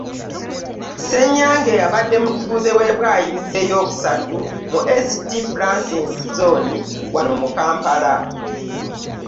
Ssenyange abadde mutuuze w'e Bwaise ey'okusatu mu St. Francis Zooni wano mu Kampala.